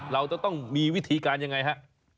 เราจะต้องมีวิธีการยังไงฮะ